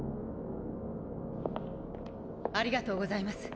ありがとうございます。